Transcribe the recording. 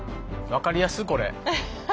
分かりやすこれ。